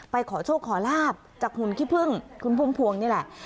ไปขอโชคขอลาบจากคุณคิพึ่งคุณพุ่งพวงนี่แหละ